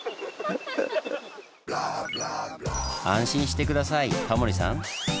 安心して下さいタモリさん。